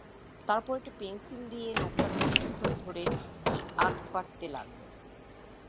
তারপর একটা পেন্সিল দিয়ে লোকটা খানিকক্ষণ ধরে কি আঁক পাড়তে লাগল।